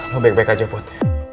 lo baik baik aja put